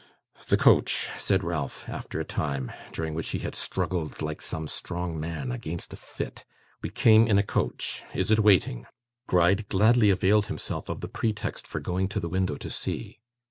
'The coach,' said Ralph after a time, during which he had struggled like some strong man against a fit. 'We came in a coach. Is it waiting?' Gride gladly availed himself of the pretext for going to the window to see.